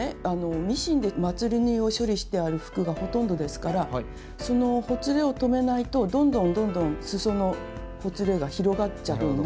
ミシンでまつり縫いを処理してある服がほとんどですからそのほつれを止めないとどんどんどんどんすそのほつれが広がっちゃうんで。